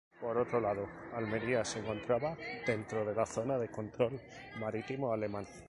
Por otro lado, Almería se encontraba dentro de la zona de control marítimo alemán.